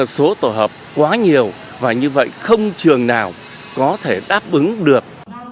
số tổ hợp quá nhiều và như vậy không trường nào có thể đáp ứng được